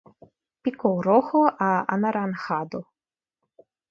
Pico rojo a anaranjado.